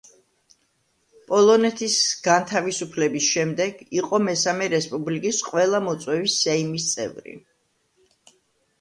პოლონეთის განთავისუფლების შემდეგ, იყო მესამე რესპუბლიკის ყველა მოწვევის სეიმის წევრი.